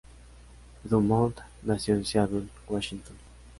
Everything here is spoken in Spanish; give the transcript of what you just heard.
Dumont nació en Seattle, Washington.